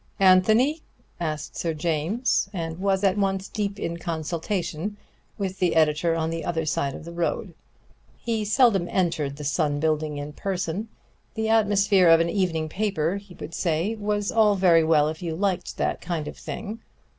"Anthony?" asked Sir James; and was at once deep in consultation with the editor on the other side of the road. He seldom entered the Sun building in person: the atmosphere of an evening paper, he would say, was all very well if you liked that kind of thing.